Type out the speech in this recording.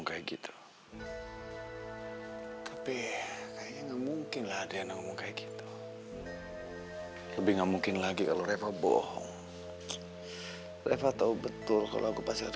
aku gak suka dalam kegagalan seperti ini